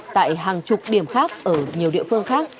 tại hàng chục điểm khác ở nhiều địa phương khác